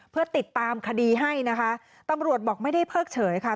เพื่อติดตามคดีให้นะคะตำรวจบอกไม่ได้เพิกเฉยค่ะ